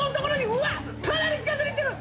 うわっかなり近づいてる！